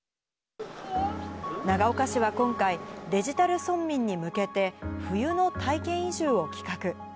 長岡市は今回、デジタル村民に向けて、冬の体験移住を企画。